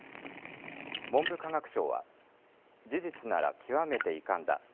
文部科学省は事実なら極めて遺憾だ。